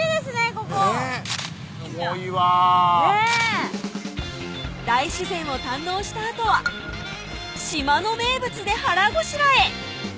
ここねぇすごいわねぇ大自然を堪能したあとは島の名物で腹ごしらえ！